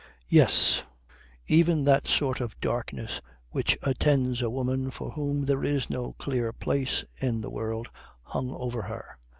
Yes. Even that sort of darkness which attends a woman for whom there is no clear place in the world hung over her.